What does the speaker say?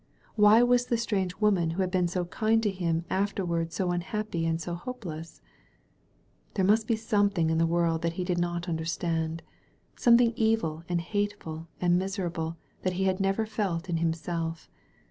Why was the strange woman who had been so kind to him afterward so unhappy and so hopeless ? There must be something in the world that he did not understand, something evil and hatefid and miserable that he had never felt in himself.